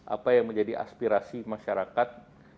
apa yang menjadi aspirasi masyarakat